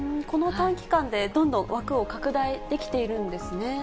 この短期間でどんどん枠を拡大できているんですね。